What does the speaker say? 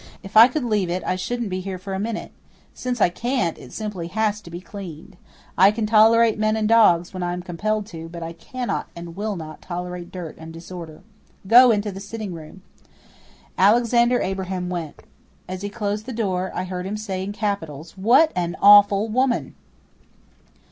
"If I could leave it I shouldn't be here for a minute. Since I can't, it simply has to be cleaned. I can tolerate men and dogs when I am compelled to, but I cannot and will not tolerate dirt and disorder. Go into the sitting room." Alexander Abraham went. As he closed the door, I heard him say, in capitals, "WHAT AN AWFUL WOMAN!"